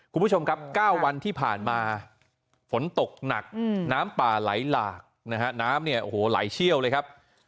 คุณผู้ชมครับ๙วันที่ผ่านมาฝนตกหนักน้ำป่าไหลหลากนะฮะน้ำเนี่ยโอ้โหไหลเชี่ยวเลยครับ